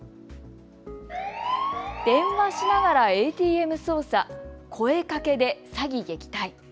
電話しながらＡＴＭ操作声かけで詐欺撃退。